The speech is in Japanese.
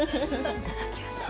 いただきます。